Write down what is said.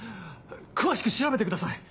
詳しく調べてください。